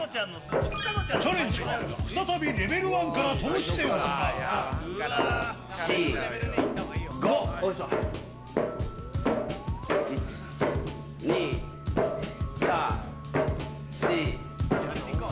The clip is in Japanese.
チャレンジは再びレベル１から通しで行う。